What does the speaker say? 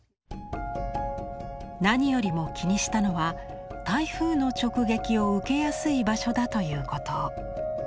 何よりも気にしたのは台風の直撃を受けやすい場所だということ。